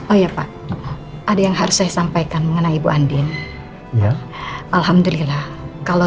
oh ya pak ada yang harus saya sampaikan mengenai ibu andin alhamdulillah kalau